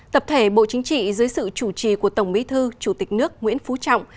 tập thể bộ chính trị dưới sự chủ trì của tổng bí thư chủ tịch nước nguyễn phú trọng